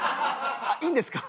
あっいいんですか？